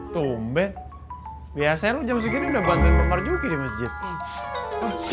tumben biasanya lu jam segini udah bantuin rumah juga di masjid